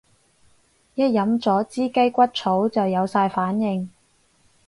一飲咗支雞骨草就有晒反應